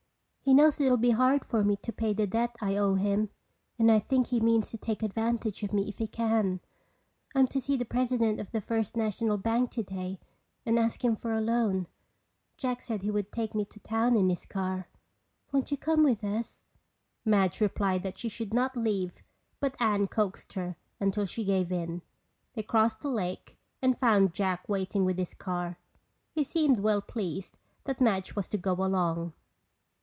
He knows it will be hard for me to pay the debt I owe him and I think he means to take advantage of me if he can. I'm to see the president of the First National bank today and ask him for a loan. Jack said he would take me to town in his car. Won't you come with us?" Madge replied that she should not leave but Anne coaxed her until she gave in. They crossed the lake and found Jack waiting with his car. He seemed well pleased that Madge was to go along.